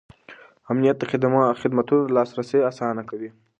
امنیت د خدمتونو لاسرسی اسانه کوي.